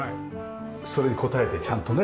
それに応えてちゃんとね。